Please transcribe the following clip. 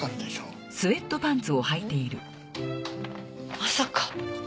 まさか。